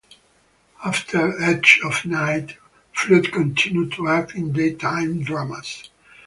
After "Edge of Night", Flood continued to act in daytime dramas.